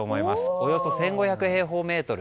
およそ１５００平方メートル。